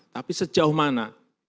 tapi sejauh mana